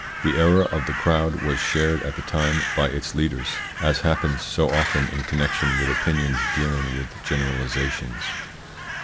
The error of the crowd was shared at the time by its leaders, as happens so often in connection with opinions dealing with generalisations.